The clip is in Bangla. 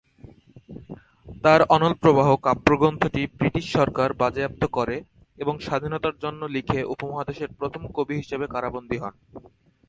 তার "অনল-প্রবাহ" কাব্যগ্রন্থটি ব্রিটিশ সরকার বাজেয়াপ্ত করে এবং স্বাধীনতার জন্য লিখে উপমহাদেশের প্রথম কবি হিসেবে কারাবন্দী হন।